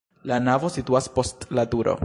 La navo situas post la turo.